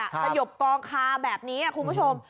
สยบกองคาแบบนี้คุณผู้ชม